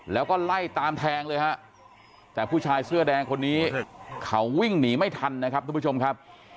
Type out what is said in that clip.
แล้วก็ไล่ตามแทงเลยฮะแต่ผู้ชายเสื้อแดงคนนี้เขาวิ่งหนีไม่ทันนะครับทุกผู้ชมครับ